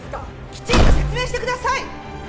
きちんと説明してください！